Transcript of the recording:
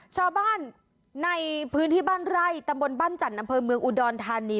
ชาวบ้านในพื้นที่บ้านไร่ตำบลบ้านจันทร์อำเภอเมืองอุดรธานี